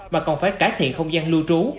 mà còn phải cải thiện không gian lưu trú